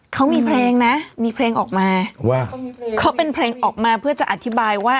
เขามีเพลงนะมีเพลงออกมาว่าเขาเป็นเพลงออกมาเพื่อจะอธิบายว่า